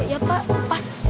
ya pak pas